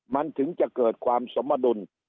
มันถึงจะเกิดความสมดุล